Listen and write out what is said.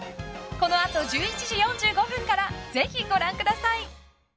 このあと１１時４５分からぜひご覧ください。